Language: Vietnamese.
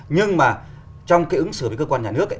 nhưng mà trong cái ứng xử với cơ quan nhà nước ấy